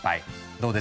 どうです？